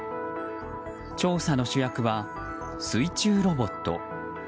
調査の主役は水中ロボット。